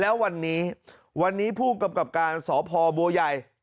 แล้ววันนี้วันนี้ผู้กำกับการสพบัวใหญ่